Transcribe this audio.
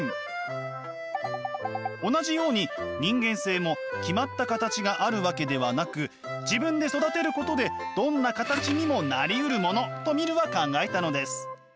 同じように人間性も決まった形があるわけではなく自分で育てることでどんな形にもなりうるものとミルは考えたのです。